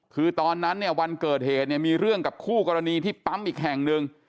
คือตอนนั้นเนี่ยวันเกิดเหตุเนี่ยมีเรื่องกับคู่กรณีที่ปั๊มอีกแห่งหนึ่ง